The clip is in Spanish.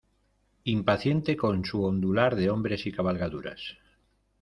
impaciente con su ondular de hombres y cabalgaduras.